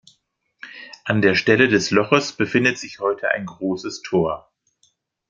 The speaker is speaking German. An der Stelle des Loches befindet sich heute ein großes Tor.